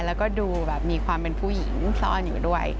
แล้วก็ดูแบบมีความเป็นผู้หญิงซ่อนอยู่ด้วย